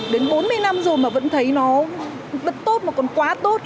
đến bốn mươi năm rồi mà vẫn thấy nó rất tốt mà còn quá tốt